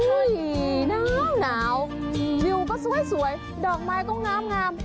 อุ้ยน้ำหนาววิวก็สวยสวยดอกไม้ก็งามงาม